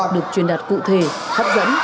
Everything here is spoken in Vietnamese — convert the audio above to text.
được truyền đạt cụ thể hấp dẫn